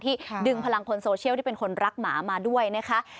ดึงพลังคนโซเชียลที่เป็นคนรักหมามาด้วยนะคะ